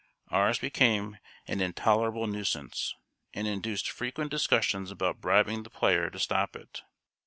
Ours became an intolerable nuisance, and induced frequent discussions about bribing the player to stop it.